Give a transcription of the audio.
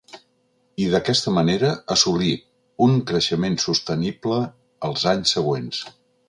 I, d’aquesta manera, assolir un creixement sostenible els anys següents.